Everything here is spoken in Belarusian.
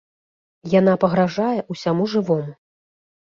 Яна пагражае ўсяму жывому.